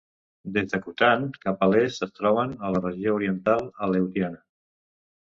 Des d'Akutan cap a l'est es troben a la regió oriental Aleutiana.